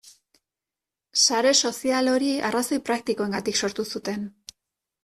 Sare sozial hori arrazoi praktikoengatik sortu zuten.